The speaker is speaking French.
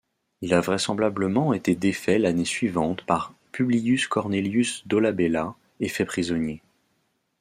Il a vraisemblablement été défait l'année suivante par Publius Cornelius Dolabella et fait prisonnier.